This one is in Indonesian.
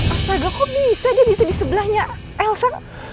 astaga kok bisa deh bisa di sebelahnya elsa